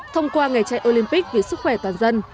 thông qua ngày chạy olympic vì sức khỏe toàn dân